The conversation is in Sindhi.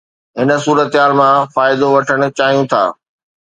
هن صورتحال مان فائدو وٺڻ چاهيو ٿا